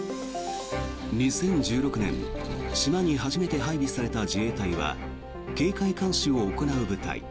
２０１６年島に初めて配備された自衛隊は警戒監視を行う部隊。